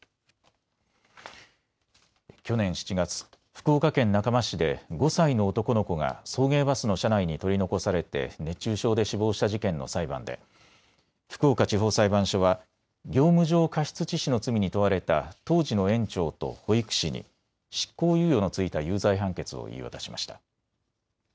去年７月、福岡県中間市で５歳の男の子が送迎バスの車内に取り残されて熱中症で死亡した事件の裁判で福岡地方裁判所は業務上過失致死の罪に問われた当時の園長と保育士に執行猶予の付いた有罪判決を言い渡しました。